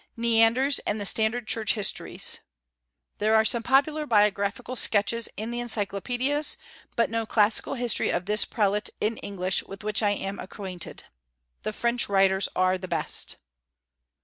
Neander's and the standard Church Histories. There are some popular biographical sketches in the encyclopedias, but no classical history of this prelate, in English, with which I am acquainted. The French writers are the best.